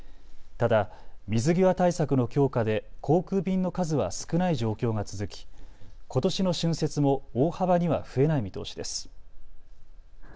ただ水際対策の強化で航空便の数は少ない状況が続きことしの春節も大幅には増えない見通しです。